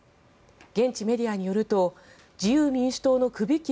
現地メディアによると自由民主党のクビッキ